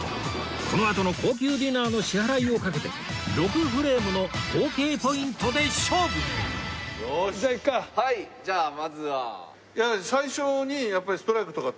このあとの高級ディナーの支払いを賭けて６フレームの合計ポイントで勝負じゃあいくか。